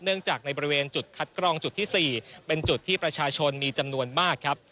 จากในบริเวณจุดคัดกรองจุดที่๔เป็นจุดที่ประชาชนมีจำนวนมากครับ